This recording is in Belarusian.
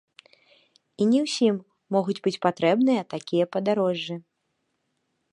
І не ўсім могуць быць патрэбныя такія падарожжы.